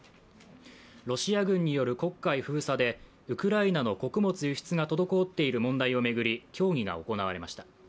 ロシア軍による黒海封鎖でウクライナの穀物輸出が滞っている問題を巡り協議が行われました。